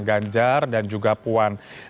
ganjar dan juga puan